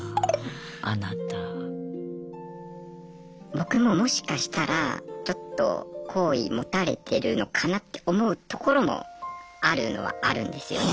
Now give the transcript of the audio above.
僕ももしかしたらちょっと好意持たれてるのかなって思うところもあるのはあるんですよね。